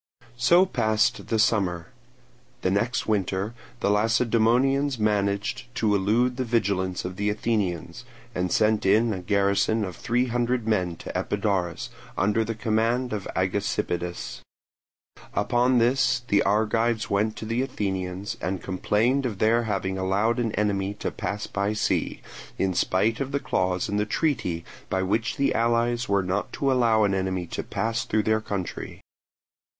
So passed the summer. The next winter the Lacedaemonians managed to elude the vigilance of the Athenians, and sent in a garrison of three hundred men to Epidaurus, under the command of Agesippidas. Upon this the Argives went to the Athenians and complained of their having allowed an enemy to pass by sea, in spite of the clause in the treaty by which the allies were not to allow an enemy to pass through their country.